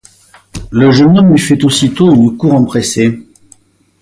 Le jeune homme lui fait aussitôt une cour empressée.